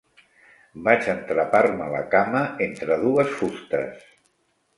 Vaig entrapar-me la cama entre dues fustes.